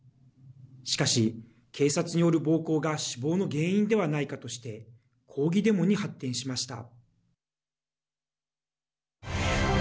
しかし、警察による暴行が死亡の原因ではないかとして抗議デモに発展しました。